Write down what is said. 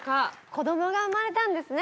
こどもが生まれたんですね。